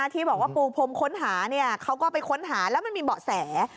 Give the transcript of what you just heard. ที่บอกว่าปูพรมค้นหาเขาก็ไปค้นหาแล้วมันมีเบาะแส